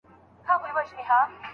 زوی لا کور ته نه دی راغلی.